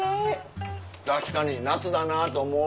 確かに夏だなと思う。